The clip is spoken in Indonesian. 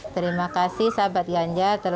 terima kasih sahabat ganjar